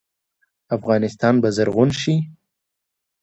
افغانستان به زرغون شي؟